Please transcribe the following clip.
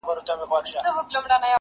• ګلکده وجود دي تاته مبارک وي..